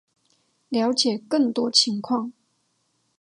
了解更多情况